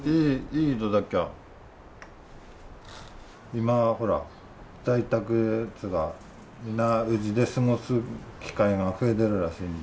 今はほら在宅っつうかみんなうちで過ごす機会が増えてるらしいんで。